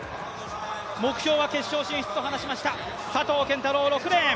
目標は決勝進出と話しました、佐藤拳太郎、６レーン。